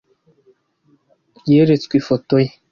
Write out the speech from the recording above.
Yeretswe ifoto ye.